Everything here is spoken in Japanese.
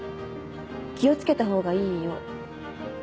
気をつけた方がいいよ」。